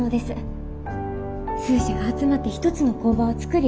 数社が集まって一つの工場を作り